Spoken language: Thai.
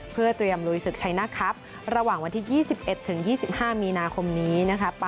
เพื่อเตรียมรุยศึกชัยหน้าคับระหว่างวันที่ยี่สิบเอ็ดถึงยี่สิบห้ามีนาคมนี้นะคะ